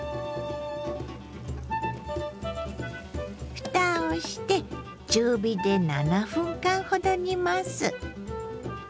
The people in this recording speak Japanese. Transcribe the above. ふたをして中火で７分間ほど煮ます。